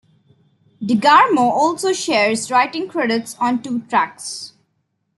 DeGarmo also shares writing credits on two tracks.